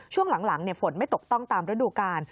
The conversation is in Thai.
ช่วงหลังฝนไม่ตกต้องตามฤดูกาล